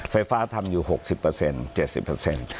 ไฟฟ้าทำอยู่ลด๖๐เปอร์เซ็นต์๗๐เปอร์เซ็นต์